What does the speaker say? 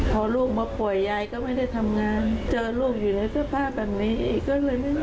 พอลูกมาป่วยยายก็ไม่ได้ทำงานเจอลูกอยู่ในสภาพแบบนี้อีกก็เลยไม่รู้